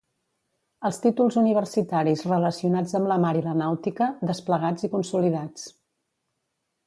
Els títols universitaris relacionats amb la mar i la nàutica, desplegats i consolidats.